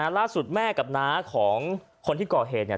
ล่าสุดแม่กับน้าของคนที่ก่อเหตุเนี่ย